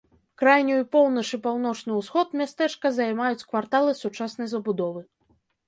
Крайнюю поўнач і паўночны ўсход мястэчка займаюць кварталы сучаснай забудовы.